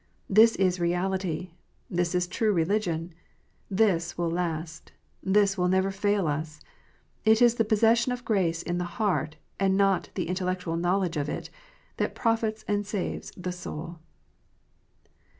This is reality. This is true religion. This will last. This will never fail us. It is the possession of grace in the heart, and not the intellectual knowledge of it, that profits and saves the soul.